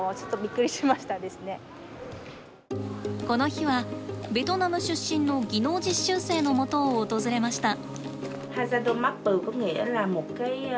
この日はベトナム出身の技能実習生のもとを訪れました。